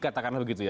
katakan begitu ya